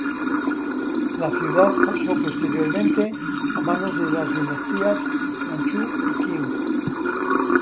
La ciudad pasó posteriormente a manos de las dinastías Manchú y Qing.